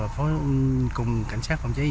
phối hợp cùng cảnh sát phòng cháy